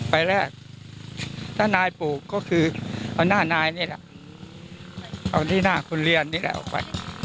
แรกถ้านายปลูกก็คือเอาหน้านายนี่แหละเอาที่หน้าคนเรียนนี่แหละออกไป